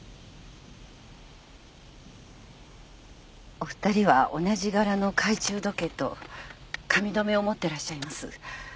お二人は同じ柄の懐中時計と髪留めを持ってらっしゃいます。